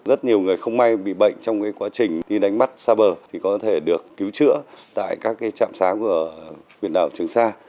rất nhiều người không may bị bệnh trong quá trình đi đánh mắt xa bờ thì có thể được cứu chữa tại các trạm sáng của huyện đảo trường sa